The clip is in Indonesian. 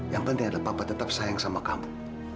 yang penting adalah papa tetap sayang sama kamu